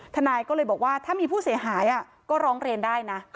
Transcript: ทนายก็เลยบอกว่าถ้ามีผู้เสียหายก็ร้องเรียนได้นะ